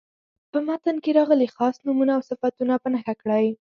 په متن کې راغلي خاص نومونه او صفتونه په نښه کړئ.